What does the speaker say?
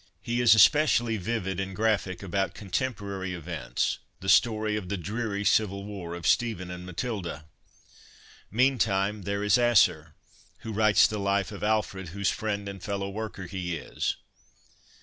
He is especially vivid and graphic about contem porary events the story of the dreary civil war of Stephen and Matilda. Meantime, there is Asser, who writes the life of Alfred, whose friend and fellow worker he is.